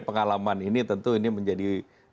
pengalaman ini tentu ini menjadi